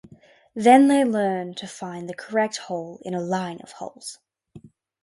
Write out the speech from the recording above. Then they learn to find the correct hole in a line of holes.